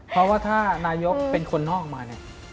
เพราะว่าถ้านายกเป็นคนนอกมาเนี่ย